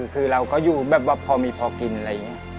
คือเราก็อยู่แบบว่าพอมีพอกินอะไรอย่างนี้